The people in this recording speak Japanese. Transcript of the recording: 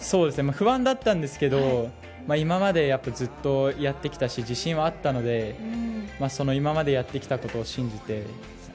不安だったんですけど今までずっとやってきたし自信はあったのでその今までやってきたことを信じて。